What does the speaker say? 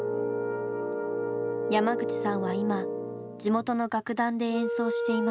山口さんは今地元の楽団で演奏しています。